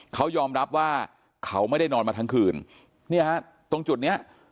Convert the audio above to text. เขายอมรับว่าเขาไม่ได้นอนมาทั้งคืนเนี่ยฮะตรงจุดเนี้ย